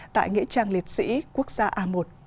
tại nghĩa trang liệt sĩ quốc gia a một